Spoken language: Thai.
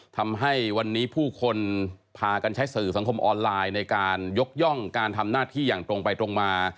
ทำให้วันนี้ผู้คนพากันใช้สื่อสังคมออนไลน์ในการยกย่องการทำหน้าที่อย่างตรงไปตรงมา